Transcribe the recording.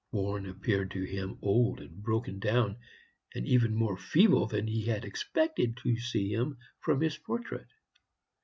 Warren appeared to him old and broken down, and even more feeble than he had expected to see him from his portrait.